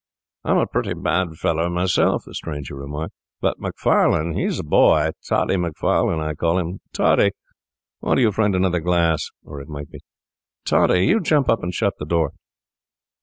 'I'm a pretty bad fellow myself,' the stranger remarked, 'but Macfarlane is the boy—Toddy Macfarlane I call him. Toddy, order your friend another glass.' Or it might be, 'Toddy, you jump up and shut the door.